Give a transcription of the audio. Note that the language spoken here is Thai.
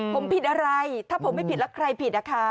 ผมผิดอะไรถ้าผมไม่ผิดแล้วใครผิดนะคะ